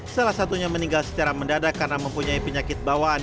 salah satunya meninggal secara mendadak karena mempunyai penyakit bawaan